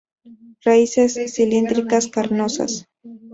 Raíces cilíndricas, carnosas.